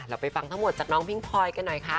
ไปฟังทั้งหมดจากน้องพิงพลอยกันหน่อยค่ะ